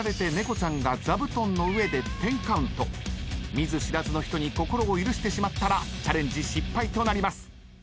見ず知らずの人に心を許してしまったらチャレンジ失敗となります。